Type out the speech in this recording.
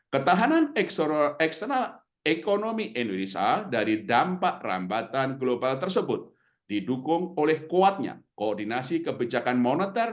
ketahanan eksternal ekonomi indonesia dari dampak rambatan global tersebut didukung oleh kuatnya koordinasi kebijakan moneter